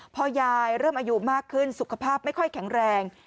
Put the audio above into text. พอยายเริ่มอายุมากขึ้นสุขภาพไม่ค่อยแข็งแรง